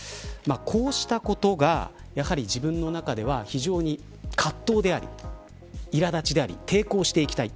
こうしたことがやはり自分の中では非常に葛藤でありいら立ちであり抵抗していきたい